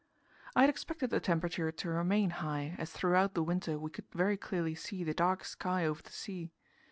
I had expected the temperature to remain high, as throughout the winter we could very clearly see the dark sky over the sea.